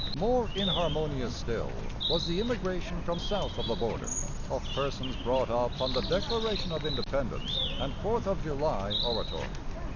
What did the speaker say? More inharmonious still was the immigration from south of the border, of persons brought up on the Declaration of Independence and Fourth of July oratory.